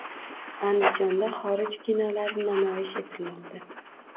Andijonda xorij kinolari namoyish etilmoqda